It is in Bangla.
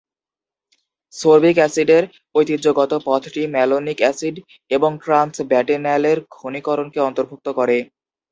সোরবিক অ্যাসিডের ঐতিহ্যগত পথটি ম্যালোনিক অ্যাসিড এবং ট্রান্স-বাটেন্যালের ঘনীকরণকে অন্তর্ভুক্ত করে।